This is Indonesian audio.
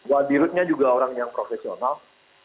wadi rutnya juga orang yang profesional